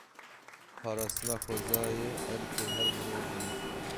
Parastina xwezayê erkê her mirovî ye.